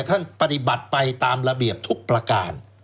ท่านปฏิบัติไปตามระเบียบทุกประการ